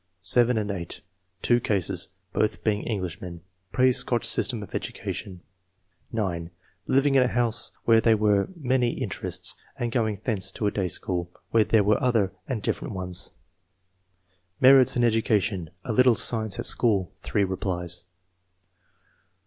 (7 & 8) Two cases ; both [being Englishmen] praise Scotch system of education. IV.] EDUCATION. 243 (9) " Living in a house where there were many interests, and going thence to a day school, where there were other and diflFerent ones." MERITS IN education: A LITTLE SCIENCE AT SCHOOL — ^THREE REPLIES.